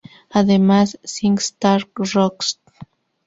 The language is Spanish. Además, SingStar Rocks!